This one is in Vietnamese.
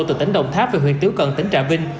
từ tỉnh đồng tháp về huyện tứ cần tỉnh trà vinh